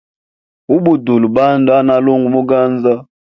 Ubutula mbutundu ano elungu muganza.